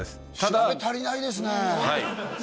調べ足りないですね。